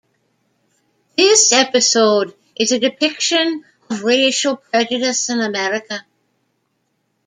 This episode is a depiction of racial prejudice in America.